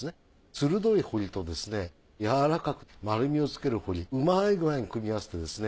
鋭い彫りとですねやわらかく丸みをつける彫りうまい具合に組み合わせてですね